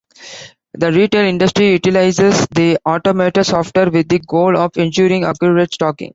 The retail industry utilizes the automated software with the goal of ensuring accurate stocking.